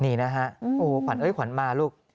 นี่นะฮะโอ้ขวัญมาลูก